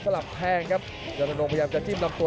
ลับแทงครับยันทนงพยายามจะจิ้มลำตัว